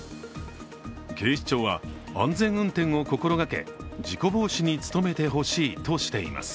警視庁は、安全運転を心がけ事故防止に努めてほしいとしています。